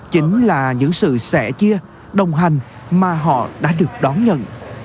chính là những sự sẻ chia đồng hành mà họ đã được đón nhận